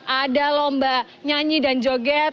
ada lomba nyanyi dan joget